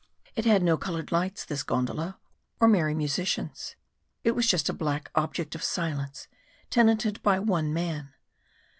It had no coloured lights, this gondola, or merry musicians; it was just a black object of silence, tenanted by one man.